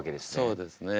そうですね。